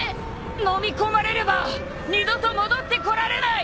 のみ込まれれば二度と戻ってこられない！